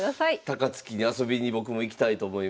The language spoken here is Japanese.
高槻に遊びに僕も行きたいと思います。